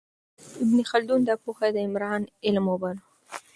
ابن خلدون دا پوهه د عمران علم وباله.